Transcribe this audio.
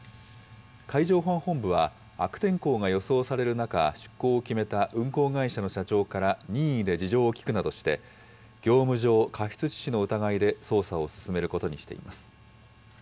海上保安本部は、悪天候が予想される中、出航を決めた運航会社の社長から任意で事情を聴くなどして、業務上過失致死の疑いで捜査を進めることにしています。